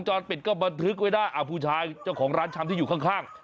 เจ้าของร้านชามที่อยู่ข้าง